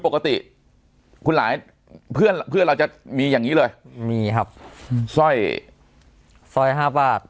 ปกติคุณหลายเพื่อนเพื่อนเราจะมีอย่างงี้เลยมีครับสร้อยสร้อยห้าบาท